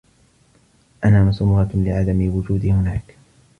أنا مسرورة لعدم وجودي هناك.